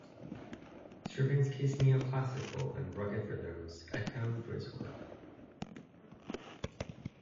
Stravinsky's neo-classical and rugged rhythms echo through his work.